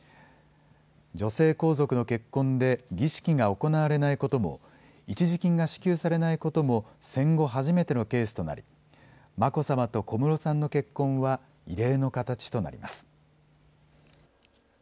女性皇族の結婚で儀式が行われないことも、一時金が支給されないことも、戦後初めてのケースとなり、眞子さまと小室さんの結婚は異例の形となります。